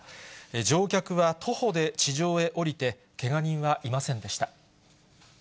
乗客は徒歩で地上へ下りて、けが人はいませんでした。